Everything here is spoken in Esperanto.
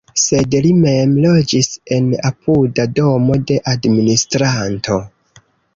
Sed li mem loĝis en apuda domo de administranto.